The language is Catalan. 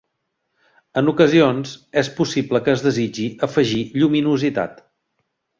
En ocasions, és possible que es desitgi afegir lluminositat.